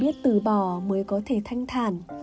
biết từ bỏ mới có thể thanh thản